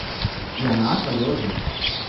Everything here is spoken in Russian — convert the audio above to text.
И она отворила дверь.